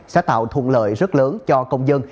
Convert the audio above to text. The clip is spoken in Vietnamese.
sẽ tạo thuận lợi rất lớn cho công dân